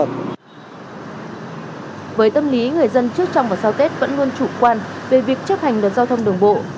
với tâm lý người dân trước trong và sau tết vẫn luôn chủ quan về việc chấp hành luật giao thông đường bộ